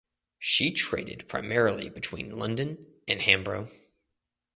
She traded primarily between London and Hambro.